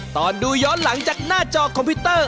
ตอนดูย้อนหลังจากหน้าจอคอมพิวเตอร์